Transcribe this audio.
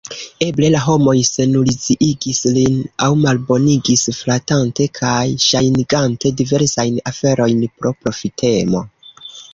Eble la homoj seniluziigis lin aŭ malbonigis, flatante kaj ŝajnigante diversajn aferojn pro profitemo.